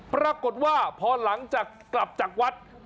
ปรากฏว่าพอหลังจากกลับจากวัด